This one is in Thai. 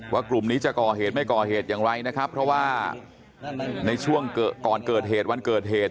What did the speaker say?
กลุ่มนี้จะก่อเหตุไม่ก่อเหตุอย่างไรนะครับเพราะว่าในช่วงก่อนเกิดเหตุวันเกิดเหตุ